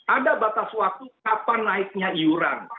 ada batas waktu kapan naiknya iuran